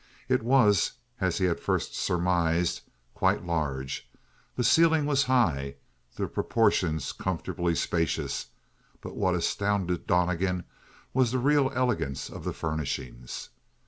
It was, as he had first surmised, quite large. The ceiling was high; the proportions comfortably spacious; but what astounded Donnegan was the real elegance of the furnishings.